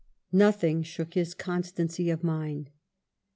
Nothing shook his constancy of mind.